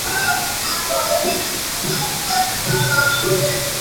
কথা নিচে বলা যায় না?